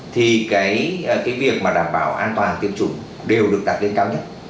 thì cái việc mà đảm bảo an toàn tiêm chủng đều được đặt lên cao nhất